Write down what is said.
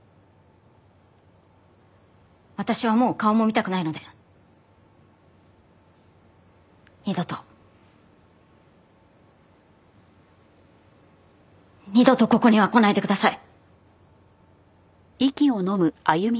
私はもう顔も見たくないので二度と二度とここには来ないでください。